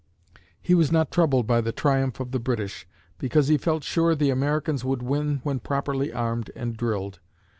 He was not troubled by the triumph of the British, because he felt sure the Americans would win when properly armed and drilled.